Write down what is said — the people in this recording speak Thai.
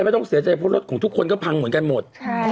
ไม่ต้องเสียใจเพราะรถของทุกคนก็พังเหมือนกันหมด